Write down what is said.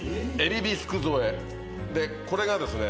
でこれがですね